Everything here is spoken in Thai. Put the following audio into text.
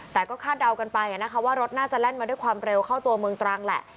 แต่ก็คาดเดากันไปนะคะว่ารถน่าจะแล่นมาด้วยความเร็วเข้าตัวเมืองตรังแหละ